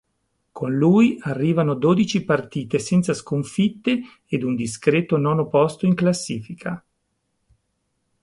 Con lui arrivano dodici partite senza sconfitte ed un discreto nono posto in classifica.